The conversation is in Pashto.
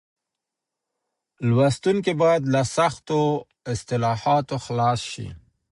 لوستونکي بايد له سختو اصطلاحاتو خلاص شي.